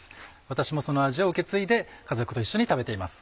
私もその味を受け継いで家族と一緒に食べています。